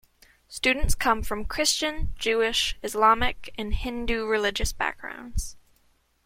Students come from Christian, Jewish, Islamic, and Hindu religious backgrounds.